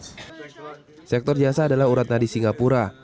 sektor jasa adalah urat nadi singapura